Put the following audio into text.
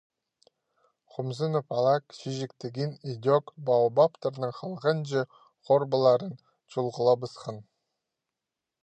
Хомзынып ала, Кічиҷек тегин ідӧк баобабтарның халғанҷы хорбыларын чулғлабысхан.